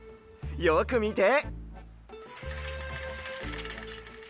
よくみて！